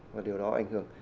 và điều đó ảnh hưởng